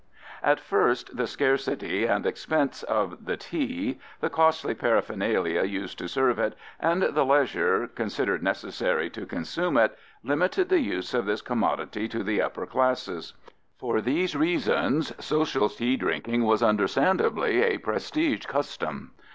_)] At first the scarcity and expense of the tea, the costly paraphernalia used to serve it, and the leisure considered necessary to consume it, limited the use of this commodity to the upper classes. For these reasons, social tea drinking was, understandably, a prestige custom.